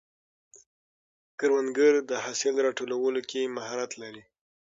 کروندګر د حاصل راټولولو کې مهارت لري